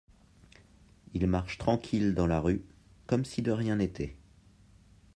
Il marche tranquille dans la rue, comme si de rien n’était !